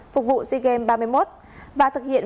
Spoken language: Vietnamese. phục vụ sigem ba mươi một và thực hiện